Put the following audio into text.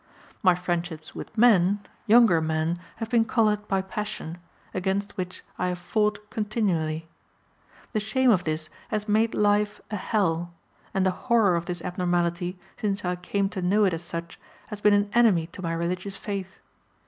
My friendships with men, younger men, have been colored by passion, against which I have fought continually. The shame of this has made life a hell, and the horror of this abnormality, since I came to know it as such, has been an enemy to my religious faith.